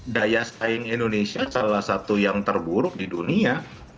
daya saing indonesia salah satu yang terburuk di dunia